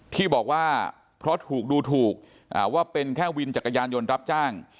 ที่บอกว่าเพราะถูกดูถูกว่าเป็นแค่วินจักรยานยนต์รับจ้าง